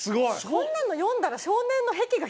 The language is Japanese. こんなの読んだら。